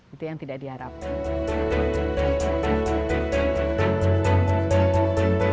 itu yang tidak diharapkan